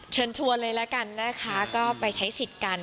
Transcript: เชิญชวนเลยละกันนะคะก็ไปใช้สิทธิ์กัน